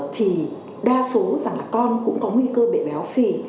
thì đa số rằng là con cũng có nguy cơ bị béo phì